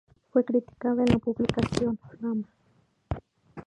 Fue criticada en la publicación "Flama".